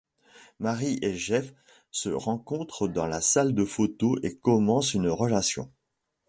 Mary et Jeff se rencontrent dans la salle de photo et commencent une relation.